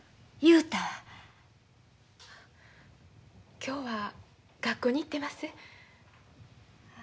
今日は学校に行ってます。